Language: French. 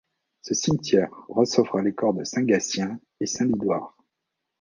Ce cimetière, recevra les corps de saint Gatien et saint Lidoire.